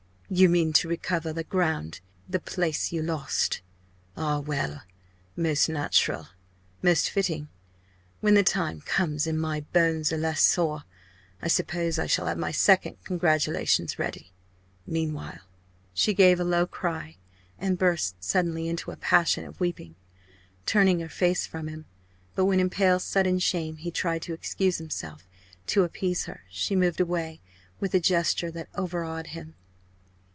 You mean to recover, the ground the place you lost. Ah, well! most natural! most fitting! When the time comes and my bones are less sore I suppose I shall have my second congratulations ready! Meanwhile " She gave a low cry and burst suddenly into a passion of weeping, turning her face from him. But when in pale sudden shame he tried to excuse himself to appease her she moved away, with a gesture that overawed him.